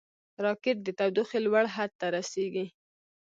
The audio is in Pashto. راکټ د تودوخې لوړ حد ته رسېږي